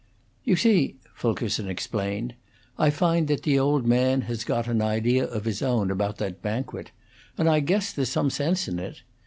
V. "You see," Fulkerson explained, "I find that the old man has got an idea of his own about that banquet, and I guess there's some sense in it.